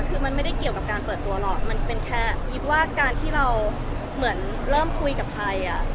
คือมันไม่ได้เกี่ยวกับการเปิดตัวหรอกมันเป็นแค่อีฟว่าการที่เราเหมือนเริ่มคุยกับใครอ่ะ